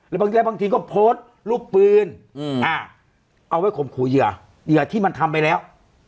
แล้วก็พดรูปปืนอาเอาไว้คุมหูเหยื่อเหยื่อที่มันทำไปแล้ว